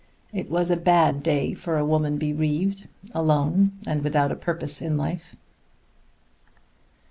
It was a bad day for a woman bereaved, alone and without a purpose in life.